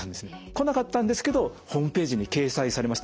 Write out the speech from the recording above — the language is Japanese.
来なかったんですけどホームページに掲載されました。